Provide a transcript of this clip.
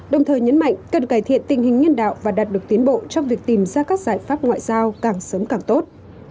đồng thời nhấn mạnh cần cải thiện tình hình nhân đạo và đạt được tiến bộ trong việc tìm ra các giải pháp ngoại giao càng sớm càng tốt